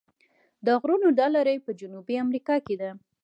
د غرونو دا لړۍ په جنوبي امریکا کې ده.